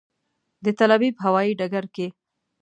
د تل ابیب هوایي ډګر کې.